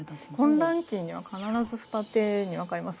混乱期には必ず二手に分かれます